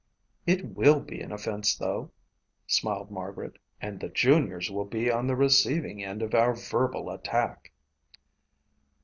"It will be an offense, though," smiled Margaret, "and the juniors will be on the receiving end of our verbal attack."